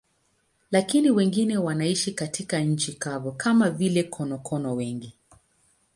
Lakini wengine wanaishi katika nchi kavu, kama vile konokono wengi.